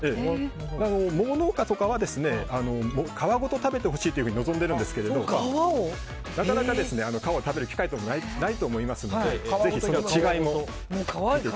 桃農家とかは皮ごと食べてほしいと望んでいるんですけどなかなか皮を食べる機会というのもないと思いますのでぜひ、その違いも。